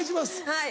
はい。